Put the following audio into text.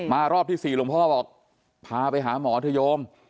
มารอบที่สี่หลวงพ่อบอกพาไปหาหมออธยม